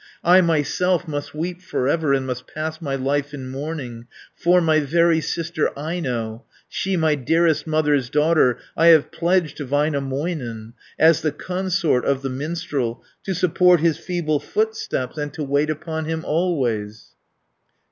I myself must weep for ever, And must pass my life in mourning, For my very sister Aino, She, my dearest mother's daughter, 520 I have pledged to Väinämöinen, As the consort of the minstrel, To support his feeble footsteps, And to wait upon him always."